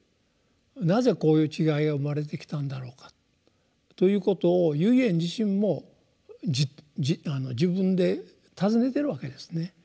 「なぜこういう違いが生まれてきたんだろうか」ということを唯円自身も自分で尋ねてるわけですね。